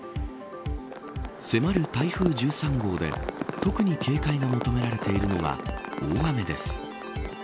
迫る台風１３号で特に警戒が求められているのが大雨です。